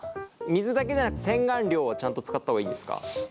水だけじゃなく洗顔料はちゃんと使った方がいいんですか？